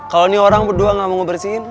kalau ini orang berdua gak mau ngebersihin